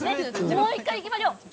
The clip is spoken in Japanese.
もう１回いきましょう。